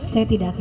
saya tidak kenal